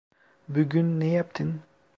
Bugün ne yaptın?